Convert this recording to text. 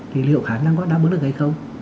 thì liệu khả năng có đáp ứng được hay không